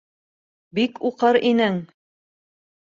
Бик уҡыр инең...